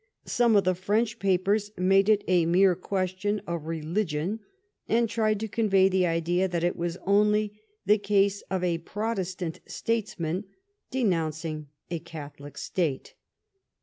Some of the French papers made it a mere question of re ligion, and tried to convey the idea that it was only the case of a Protestant statesman denounc ing a Catholic State.